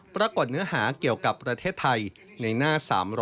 เนื้อหาเกี่ยวกับประเทศไทยในหน้า๓๐